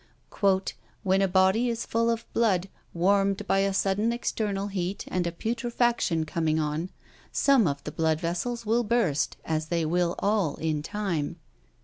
"When a body is full of blood, warmed by a sudden external heat, and a putrefaction coming on, some of the blood vessels will burst, as they will all in time."